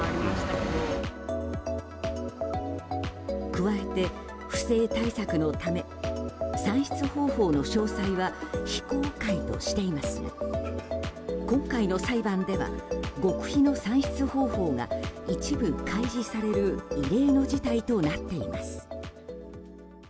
加えて不正対策のため算出方法の詳細は非公開としていますが今回の裁判では極秘の算出方法が一部開示される異例の事態となっています。